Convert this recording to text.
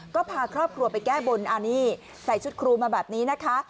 ก็พาครอบครัวไปแก้บนอันนี้ใส่ชุดครูมาแบบนี้นะคะ